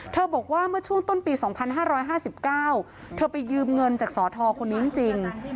บอกว่าเมื่อช่วงต้นปี๒๕๕๙เธอไปยืมเงินจากสทคนนี้จริง